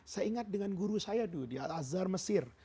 saya ingat dengan guru saya dulu di al azhar mesir